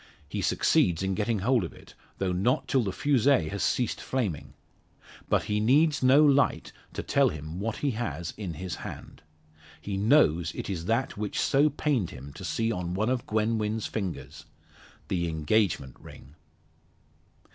He succeeds in getting hold of it, though not till the fusee has ceased flaming. But he needs no light to tell him what he has in his hand. He knows it is that which so pained him to see on one of Gwen Wynn's fingers the engagement ring!